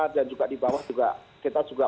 dan juga di bawah juga kita